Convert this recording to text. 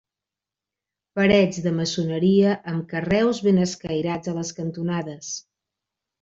Parets de maçoneria amb carreus ben escairats a les cantonades.